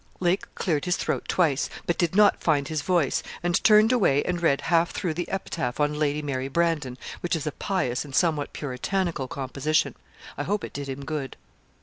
Lake cleared his throat twice, but did not find his voice, and turned away and read half through the epitaph on Lady Mary Brandon, which is a pious and somewhat puritanical composition. I hope it did him good.